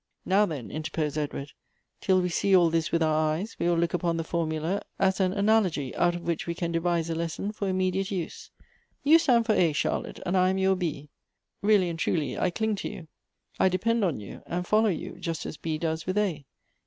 " Now then," intei posed Edward, " till we see all this with our eyes, we will look upon the foimula as an analogy, out of which we can devise a lesson for imme diate use. You stand for A, Charlotte, and I am your B ; really and truly I cling to you, I depend on you, and follow you, just as B does with A.